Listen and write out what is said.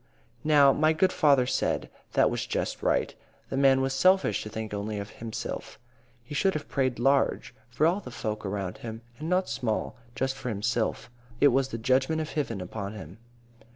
"Now, my good father said that was just right. The man was selfish to think only of himsilf. He should have prayed large, for all the folk around him, and not small, just for himsilf. It was the judgment of Hiven upon him.